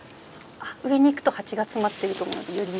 上に行くとハチが詰まってると思うんでよりゆっくり。